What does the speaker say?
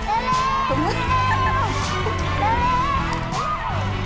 เร็ว